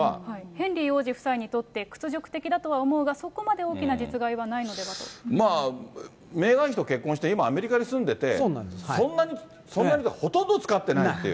ヘンリー王子夫妻にとって屈辱だとは思うが、そこまで大きなまあメーガン妃と結婚して今、アメリカに住んでて、そんなに、ほとんど使ってないっていう。